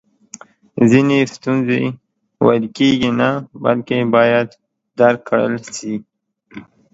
ځینې ستونزی ویل کیږي نه بلکې باید درک کړل سي